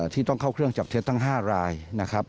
ที่ต้องเข้าเครื่องจับเท็จทั้ง๕รายนะครับ